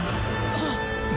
あっ！